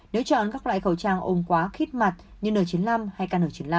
nếu chọn các loại khẩu trang ôm quá khích mặt như n chín mươi năm hay kn chín mươi năm